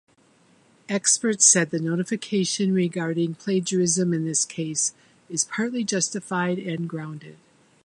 Experts said the notification regarding plagiarism in this case is partly justified and grounded.